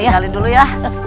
ditinggalin dulu ya